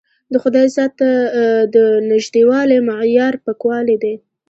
د خدای ذات ته د نژدېوالي معیار پاکوالی دی.